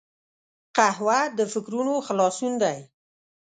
قهوه د فکرونو خلاصون دی